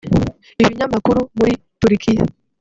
Ibinyamakuru muri Turikiya